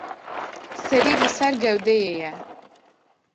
Serî li ser gewdeyê ye.